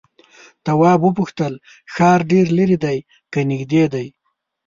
تواب وپوښتل ښار ډېر ليرې دی که نږدې دی؟